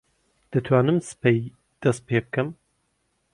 دەتوانم سبەی دەست پێ بکەم.